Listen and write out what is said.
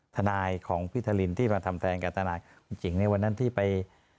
ทนายของพี่ทระลินที่มาทำแทนกันจะหน้าจริงในวันนั้นที่ไป